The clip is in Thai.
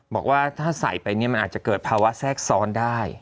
บอกว่าถ้าใส่ไปเนี่ยมันอาจจะเกิดภาวะแทรกซ้อนได้